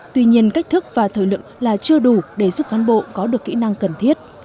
tuy nhiên cách thức và thời lượng là chưa đủ để giúp cán bộ có được kỹ năng cần thiết